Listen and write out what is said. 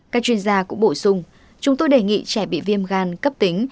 các chuyên gia cũng bổ sung chúng tôi đề nghị trẻ bị viêm gan cấp tính